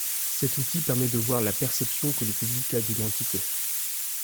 Cet outil permet de voir la perception que le public a d'une entité.